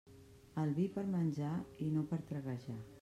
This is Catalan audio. El vi per menjar i no per traguejar.